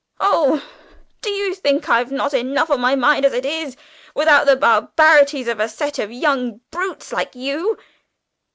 Oh, do you think I've not enough on my mind as it is without the barbarities of a set of young brutes like you!"